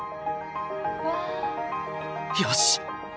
よし。